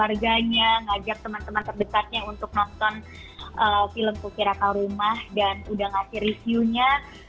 saya juga berharga harganya mengajak teman teman terdekatnya untuk nonton film pukiraka rumah dan udah ngerti reviewnya